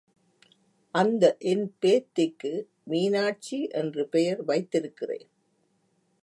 அந்த என் பேத்திக்கு மீனாட்சி என்று பெயர் வைத்திருக்கிறேன்.